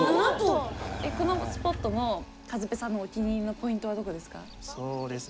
このスポットのかずぺさんのお気に入りのポイントはどこですか？